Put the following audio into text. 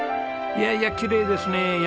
いやいやきれいですねえ。